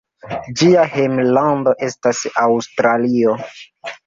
Ĝia hejmlando estas Aŭstralio.